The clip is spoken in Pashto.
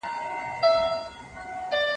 چلېدل یې په مرغانو کي امرونه